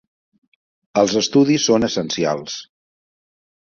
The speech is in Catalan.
Els estudis són essencials.